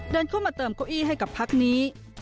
เดินเข้ามาเติมเก้าอี้ให้กับพักนี้